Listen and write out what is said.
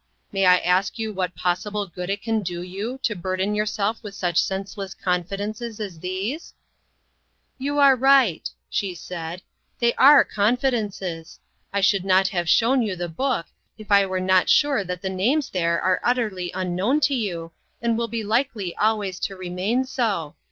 May I ask you what possi ble good it can do you to burden yourself with such senseless confidences as these ?"" You are right," she said, " they are con fidences. I should not have shown you the book if I were not sure that the names there are utterly unknown to you, and will be likely always to remain so.